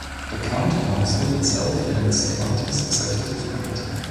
The county council itself elects the county's executive committee.